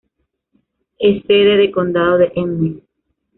Es sede de condado de Emmet.